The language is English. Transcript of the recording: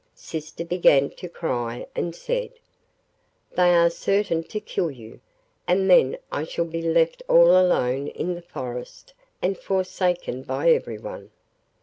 Sister began to cry, and said, 'They are certain to kill you, and then I shall be left all alone in the forest and forsaken by everyone.